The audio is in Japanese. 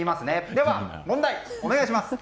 では、問題お願いします。